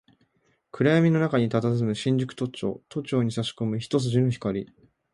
暗闇の中に佇む新宿都庁、都庁に差し込む一筋の光